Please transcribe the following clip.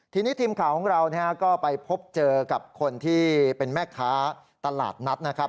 ทีนี้ทีมข่าวของเราก็ไปพบเจอกับคนที่เป็นแม่ค้าตลาดนัดนะครับ